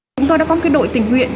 chúng tôi đã có một đội tình nguyện